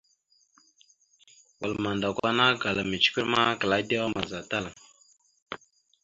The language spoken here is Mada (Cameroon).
Wal mandakw ana agala mʉcəkœr ma klaa edewa amaza tal.